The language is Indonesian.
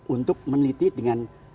untuk meneliti dengan